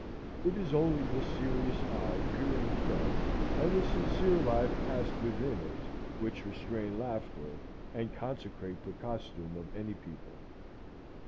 It is only the serious eye peering from and the sincere life passed within it, which restrain laughter and consecrate the costume of any people.